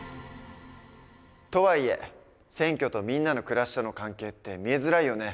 とはいえ選挙とみんなの暮らしとの関係って見えづらいよね。